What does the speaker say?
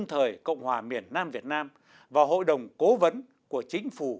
thời cộng hòa miền nam việt nam và hội đồng cố vấn của chính phủ